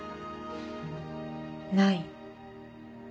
ない。